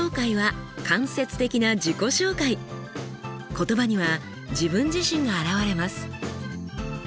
言葉には自分自身が表れます。